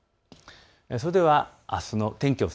それでは、あすの天気です。